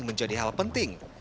menjadi hal penting